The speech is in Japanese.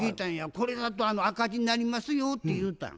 「これだと赤字になりますよ」って言うたの。